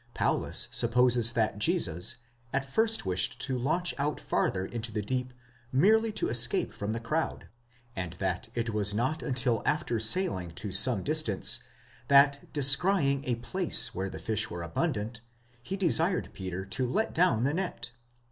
Paulus* supposes that Jesus at first wished to launch out farther into the deep merely to escape trom the crowd, and that it was not until after sailing to some distance, that, descrying a place where the fish were abundant, he desired Peter to let down the net.